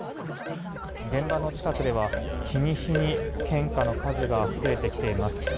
現場の近くでは日に日に献花の数が増えてきています。